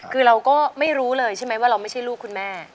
คือเราก็ไม่รู้เลยใช่ไหมว่าเราไม่ใช่ลูกคุณแม่